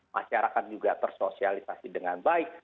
masyarakat juga tersosialisasi dengan baik